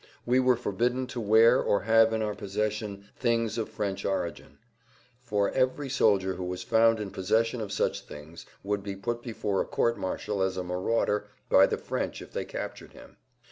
We were forbidden to wear or have in our possession things of French origin; for, every soldier who was found in possession of such things would be put before a court martial as a marauder by the French if they captured him.